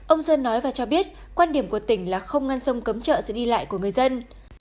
ông sơn nói và cho biết quan điểm của tỉnh là không ngăn sông cấm trợ sẽ đi lại của người dân